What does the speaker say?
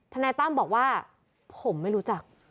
นายตั้มบอกว่าผมไม่รู้จัก